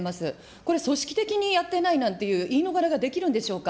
これ、組織的にやっていないなんていう言い逃れができるんでしょうか。